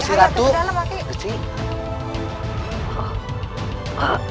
enggak kecil atuh